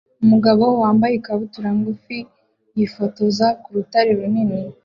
Umugabo wambaye ikabutura ngufi yifotoza ku rutare runini